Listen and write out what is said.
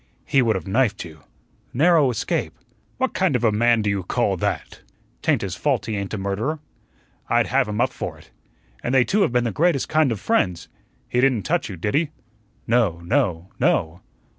"He would have knifed you." "Narrow escape." "What kind of a man do you call THAT?" "'Tain't his fault he ain't a murderer." "I'd have him up for it." "And they two have been the greatest kind of friends." "He didn't touch you, did he?" "No no no."